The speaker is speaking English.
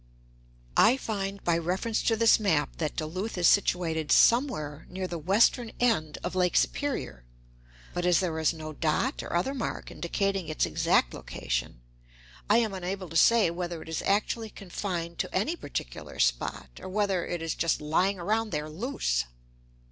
I find by reference to this map that Duluth is situated somewhere near the western end of Lake Superior; but as there is no dot or other mark indicating its exact location, I am unable to say whether it is actually confined to any particular spot, or whether "it is just lying around there loose."